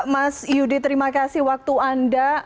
mas yudi terima kasih waktu anda